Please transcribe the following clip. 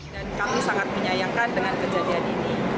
dan kami sangat menyayangkan dengan kejadian ini